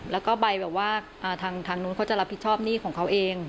แล้วก็ใบแบบว่าทางนู้นเขาจะรับผิดชอบหนี้ของเขาเอง